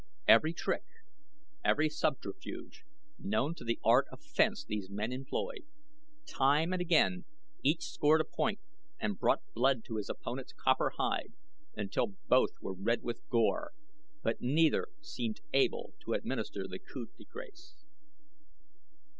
Every trick, every subterfuge, known to the art of fence these men employed. Time and again each scored a point and brought blood to his opponent's copper hide until both were red with gore; but neither seemed able to administer the coup de grace.